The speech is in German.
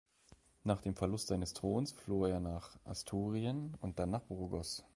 Nach dem Verlust seines Throns floh er nach Asturien und dann nach Burgos.